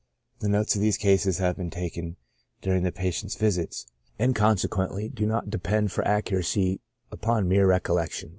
The notes of these cases have been taken during the patient's visits, and consequently do not depend for accuracy upon mere recollection.